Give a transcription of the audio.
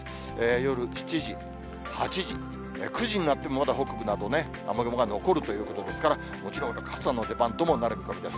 夜７時、８時、９時になっても、まだ北部などで雨雲が残るということですから、もちろん傘の出番ともなる見込みです。